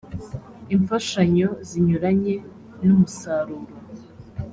infashanyo zinyuranye n umusaruro